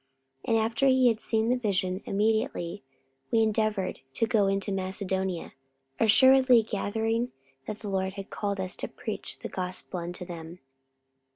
44:016:010 And after he had seen the vision, immediately we endeavoured to go into Macedonia, assuredly gathering that the Lord had called us for to preach the gospel unto them.